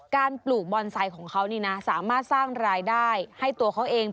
ปลูกบอนไซค์ของเขานี่นะสามารถสร้างรายได้ให้ตัวเขาเอง